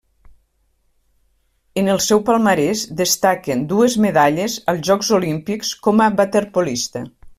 En el seu palmarès destaquen dues medalles als Jocs Olímpics com a waterpolista.